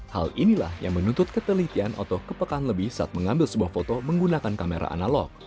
hal inilah yang menuntut ketelitian atau kepekaan lebih saat mengambil sebuah foto menggunakan kamera analog